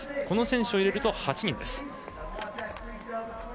この選手を入れると８人です。